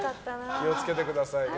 気を付けてくださいね。